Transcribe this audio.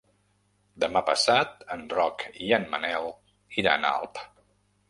Demà passat en Roc i en Manel iran a Alp.